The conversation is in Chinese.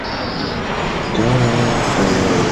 美国缅因洲有一支黑金属乐队名为拉洛斯瀑布。